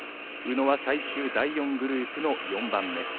宇野は最終第４グループの４番目。